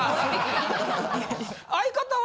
相方は？